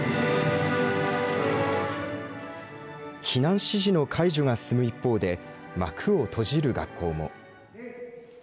避難指示の解除が進む一方で幕を閉じる学校も。